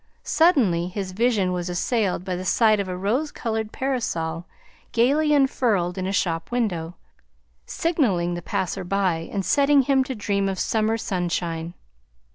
Suddenly his vision was assailed by the sight of a rose colored parasol gayly unfurled in a shop window, signaling the passer by and setting him to dream of summer sunshine.